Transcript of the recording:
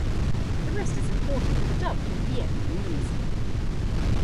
The rest is imported and dubbed in Vietnamese.